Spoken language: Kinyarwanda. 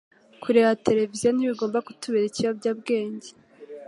kureba televisiyo ntibigomba kutubera ikiyobyabwenge